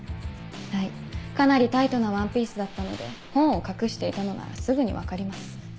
はいかなりタイトなワンピースだったので本を隠していたのならすぐに分かります。